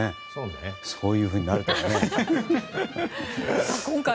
そういうふうになるとは。